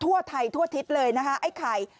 ทั่วไทยทั่วทิศเลยนะคะไอ้ไข่